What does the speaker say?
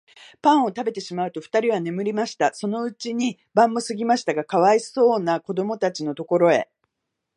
パンをたべてしまうと、ふたりは眠りました。そのうちに晩もすぎましたが、かわいそうなこどもたちのところへ、